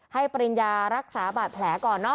ปริญญารักษาบาดแผลก่อนเนาะ